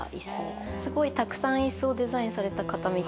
すごいたくさん椅子をデザインされた方みたいです。